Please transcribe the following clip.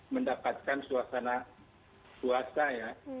mendapatkan suasana puasa ya